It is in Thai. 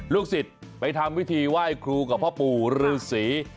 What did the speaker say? ลูกศิษย์ไปทำวิธีไหว้ครูกับพ่อปู่ฤษี